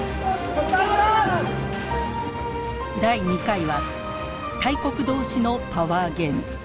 第２回は大国同士のパワーゲーム。